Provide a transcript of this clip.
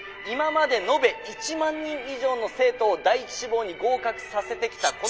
今まで延べ１万人以上の生徒を第１志望に合格させてきた」。